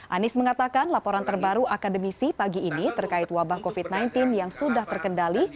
anies mengatakan laporan terbaru akademisi pagi ini terkait wabah covid sembilan belas yang sudah terkendali